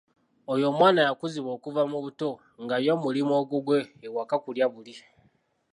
Oyo omwana yakuzibwa okuva mu buto nga ye omulimu ogugwe ewaka kulya buli.